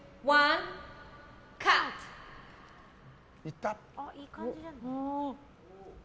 いい感じじゃない？